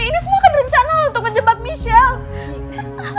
ini semua kan rencana lo untuk ngejebak michelle